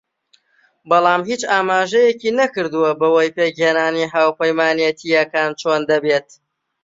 بەڵام هیچ ئاماژەیەکی نەکردووە بەوەی پێکهێنانی هاوپەیمانێتییەکان چۆن دەبێت